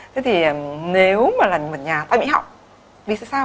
thế thì nếu mà là một nhà ta bị họng vì sao